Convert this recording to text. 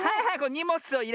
にもつをいれてね